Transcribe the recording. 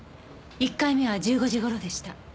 １回目は１５時頃でした。